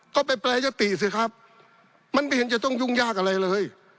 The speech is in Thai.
ก็ไปแปรยติสิครับมันไม่เห็นจะต้องยุ่งยากอะไรเลย